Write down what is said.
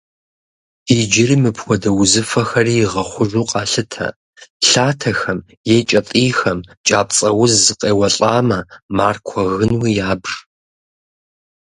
Иджыри мыпхуэдэ узыфэхэри игъэхъужу къалъытэ: лъатэхэм е кӏэтӏийхэм кӏапцӏэуз къеуэлӏамэ, маркуэ гынуи ябж.